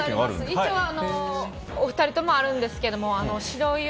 一応、お二人ともあるんですけど白岩